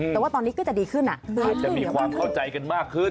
แต่ว่าตอนนี้ก็จะดีขึ้นอาจจะมีความเข้าใจกันมากขึ้น